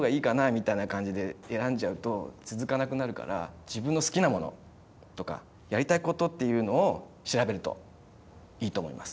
みたいな感じで選んじゃうと続かなくなるから自分の好きなものとかやりたいことっていうのを調べるといいと思います。